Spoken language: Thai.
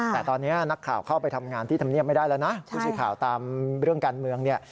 แต่ตอนเนี่ยนักข่าวเข้าไปทำงานที่ธรรมเนียมไม่ได้แล้วนะใช่